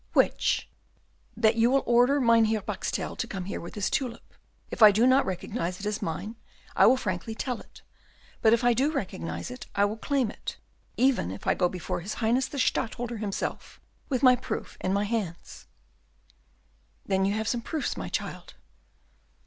"Which?" "That you will order Mynheer Boxtel to come here with his tulip. If I do not recognise it as mine I will frankly tell it; but if I do recognise it I will reclaim it, even if I go before his Highness the Stadtholder himself, with my proofs in my hands." "You have, then, some proofs, my child?"